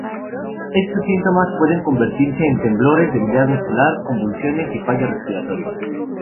Estos síntomas pueden convertirse en temblores, debilidad muscular, convulsiones y fallo respiratorio.